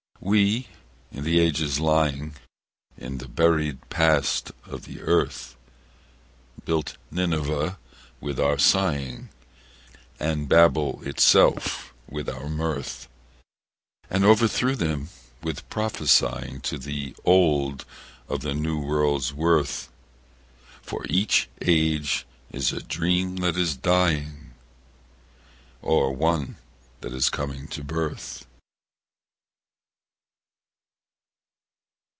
We, in the ages lying In the buried past of the earth, Built Nineveh with our sighing, And Babel itself with our mirth; And o'erthrew them with prophesying To the old of the new world's worth; For each age is a dream that is dying, Or one that is coming to birth.